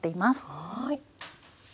はい。